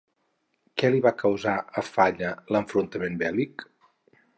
Què li va causar a Falla l'enfrontament bèl·lic?